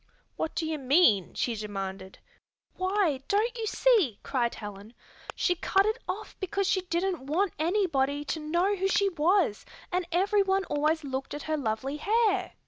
"What do you mean?" she demanded. "Why, don't you see?" cried Helen. "She cut it off because she didn't want anybody to know who she was, and everyone always looked at her lovely hair.